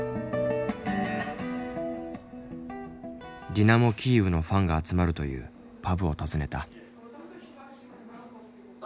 ディナモ・キーウのファンが集まるというパブを訪ねた。